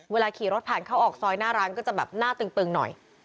ขี่รถผ่านเข้าออกซอยหน้าร้านก็จะแบบหน้าตึงหน่อย